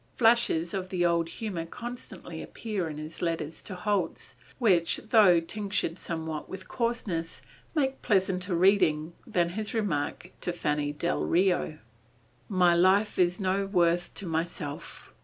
Flashes of the old humor constantly appear in his letters to Holz, which, though tinctured somewhat with coarseness, make pleasanter reading than his remark to Fanny del Rio "My life is of no worth to myself.